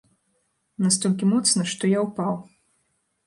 Настолькі моцна, што я ўпаў.